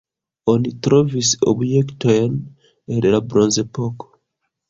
Oni trovis objektojn el la bronzepoko.